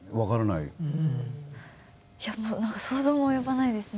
いやもうなんか想像も及ばないですね。